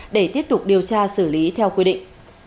để tiếp tục điều tra xử lý theo quy định